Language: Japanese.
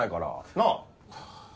なあ？